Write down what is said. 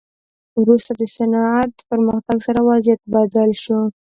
وروسته د صنعت پرمختګ سره وضعیت بدل شو.